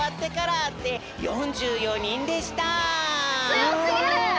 つよすぎる！